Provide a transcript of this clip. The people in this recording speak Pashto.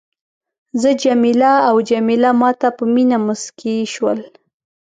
زه جميله او جميله ما ته په مینه مسکي شول.